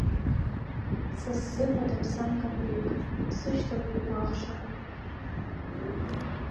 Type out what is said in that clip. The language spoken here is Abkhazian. Са сзыҳәа даԥасм капеик, дсышьҭоуп уи ӷәаӷшақә.